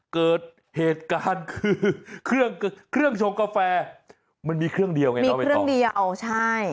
เกิดเหตุการณ์คือเครื่องชงกาแฟมันมีเครื่องเดียวไงเอาไม่ต้อง